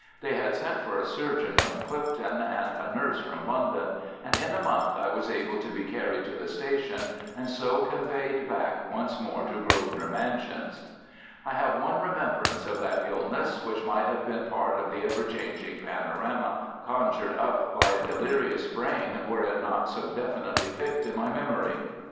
They had sent for a surgeon from Clipton and a nurse from London, and in a month I was able to be carried to the station, and so conveyed back once more to Grosvenor Mansions. I have one remembrance of that illness, which might have been part of the ever changing panorama conjured up by a delirious brain were it not so definitely fixed in my memory.